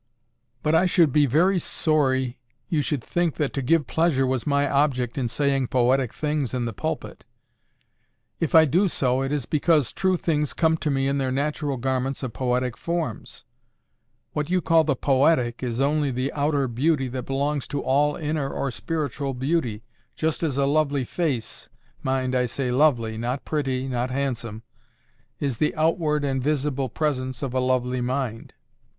"But I should be very sorry you should think, that to give pleasure was my object in saying poetic things in the pulpit. If I do so, it is because true things come to me in their natural garments of poetic forms. What you call the POETIC is only the outer beauty that belongs to all inner or spiritual beauty—just as a lovely face—mind, I say LOVELY, not PRETTY, not HANDSOME—is the outward and visible presence of a lovely mind.